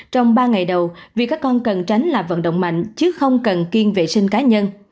trong ba ngày đầu vì các con cần tránh là vận động mạnh chứ không cần kiên vệ sinh cá nhân